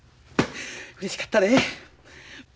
うれしかったで。